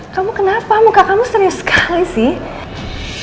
kamu kenapa muka kamu serius sekali sih